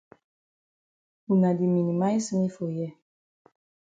Wuna di minimize me for here.